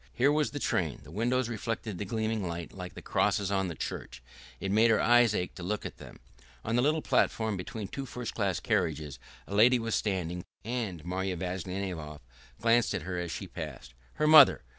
Here was the train; the windows reflected the gleaming light like the crosses on the church: it made her eyes ache to look at them. On the little platform between two first class carriages a lady was standing, and Marya Vassilyevna glanced at her as she passed. Her mother!